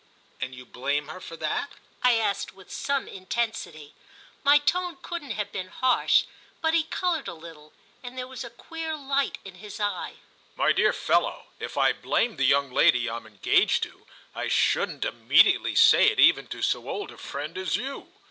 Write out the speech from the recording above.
"And you blame her for that?" I asked with some intensity. My tone couldn't have been harsh, but he coloured a little and there was a queer light in his eye. "My dear fellow, if I 'blamed' the young lady I'm engaged to I shouldn't immediately say it even to so old a friend as you."